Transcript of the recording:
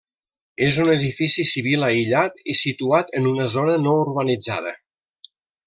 És un edifici civil aïllat i situat en una zona no urbanitzada.